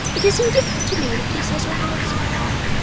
'It is indifferent to me what he says or does.